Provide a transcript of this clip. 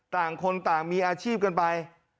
ต่างคนต่างมีอาชีพกันไป